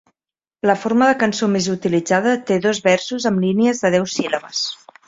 La forma de cançó més utilitzada té dos versos amb línies de deu síl·labes.